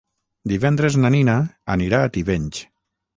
Divendres na Nina anirà a Tivenys.